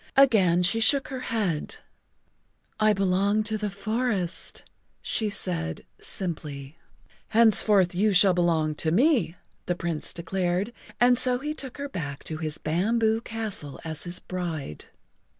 Again she shook her head. [Pg 27]"I belong to the forest," she said simply. "Henceforth you shall belong to me," the Prince declared, and so he took her back to his Bamboo Castle as his bride.